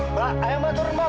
mbak ayo mbak turun mbak